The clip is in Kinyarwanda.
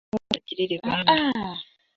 Nk’uko se w’abana abagirira ibambe,